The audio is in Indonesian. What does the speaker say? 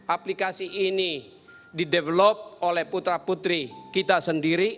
aplikasi ini didevelop oleh putra putri kita sendiri